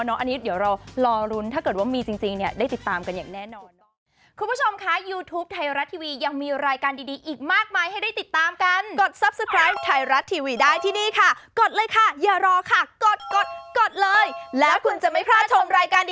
อันนี้เดี๋ยวเรารอรุ้นถ้าเกิดว่ามีจริงเนี่ยได้ติดตามกันอย่างแน่นอน